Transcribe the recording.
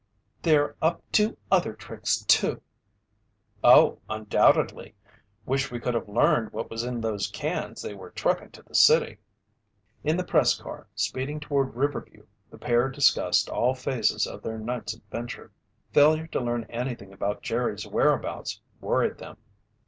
"They're up to other tricks too!" "Oh, undoubtedly. Wish we could have learned what was in those cans they were trucking to the city." In the press car, speeding toward Riverview, the pair discussed all phases of their night's adventure. Failure to learn anything about Jerry's whereabouts worried them.